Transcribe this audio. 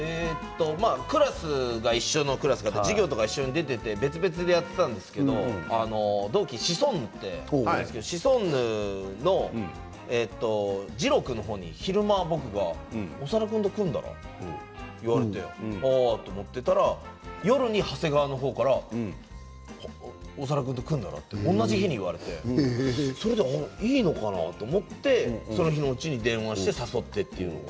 クラスが一緒のクラスで一緒に出ていて別々にやっていたんですけど同期のシソンヌがいるんですけれどもシソンヌのじろう君の方に昼間僕は長田君と組んだら？って言われておお、と思っていたら夜に長谷川の方から長田君と組んだら？と同じ日に言われていいのかなと思ってその日のうちに電話をして誘ったと。